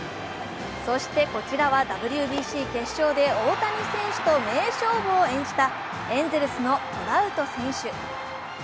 そしてこちらはＷＢＣ決勝で大谷選手と名勝負を演じたエンゼルスのトラウト選手。